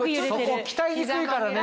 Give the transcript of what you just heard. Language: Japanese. そこ鍛えにくいからね。